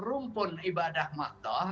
rumpun ibadah maktoh